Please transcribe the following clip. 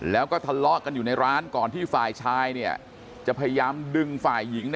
แล้วก็ทะเลาะกันอยู่ในร้านก่อนที่ฝ่ายชายจะพยายามดึงฝ่ายหญิง